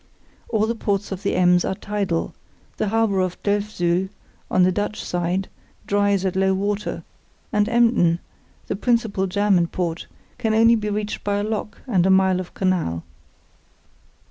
All the ports of the Ems are tidal; the harbour of Delfzyl, on the Dutch side, dries at low water, and Emden, the principal German port, can only be reached by a lock and a mile of canal.